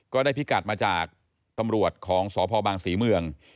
พิกัดมาจากตำรวจของสพบางศรีเมือง